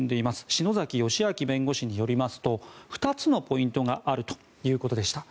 篠崎芳明弁護士によりますと２つのポイントがあるということでした。